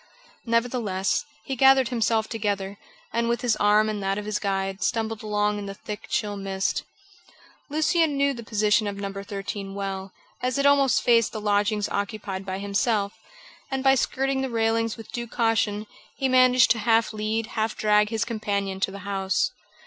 Nevertheless, he gathered himself together, and with his arm in that of his guide, stumbled along in the thick, chill mist. Lucian knew the position of No. 13 well, as it almost faced the lodgings occupied by himself, and by skirting the railings with due caution, he managed to half lead, half drag his companion to the house.